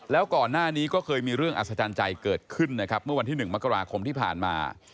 แล้วก่อนหน้านี้ก็เคยมีเรื่องอัศจรรย์ใจเกิดขึ้นนะครับเมื่อวันที่๑มกราคมที่ผ่านมา